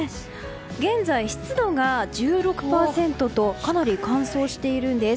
現在、湿度が１６％とかなり乾燥しているんです。